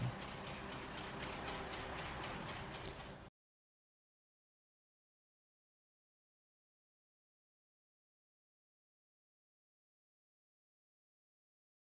pembersihan terakhir di bandara ahmadiyani semarang